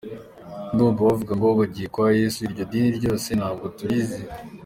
Numva bavuga ngo bagiye kwa Yesu iryo dini rwose ntabwo turizi.